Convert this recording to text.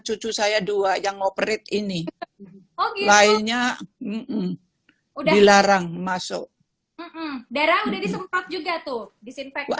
cucu saya dua yang ngoperit ini oke lainnya udah larang masuk darah udah disemprot juga tuh disinfektan